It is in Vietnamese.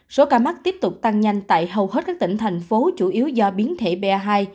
số ca mắc tiếp tục tăng nhanh tại hầu hết các tỉnh thành phố chủ yếu do biến thể ba hai